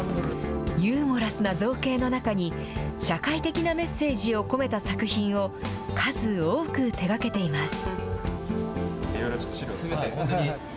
ユーモラスな造形の中に、社会的なメッセージを込めた作品を数多く手がけています。